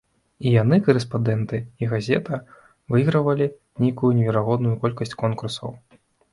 І яны, карэспандэнты, і газета, выйгравалі нейкую неверагодную колькасць конкурсаў.